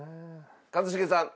一茂さん。